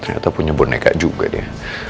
ternyata punya boneka juga dia